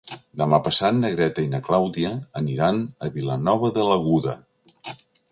Demà passat na Greta i na Clàudia aniran a Vilanova de l'Aguda.